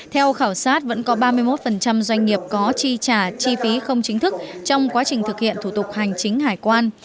theo khảo sát vẫn có ba mươi một doanh nghiệp có chi trả chi phí không chính thức trong quá trình thực hiện thủ tục hành chính hải quan